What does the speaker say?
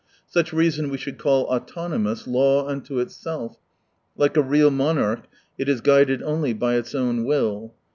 Such Reason we should call autonomous, law unto itself. Like a real monarch, it is guided only by its own will.